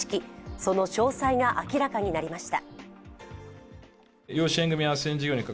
その詳細が明らかになりました。